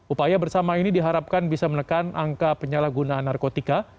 upaya bersama ini diharapkan bisa menekan angka penyalahgunaan narkotika